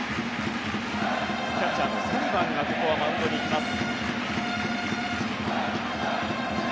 キャッチャーのサリバンがマウンドに来ます。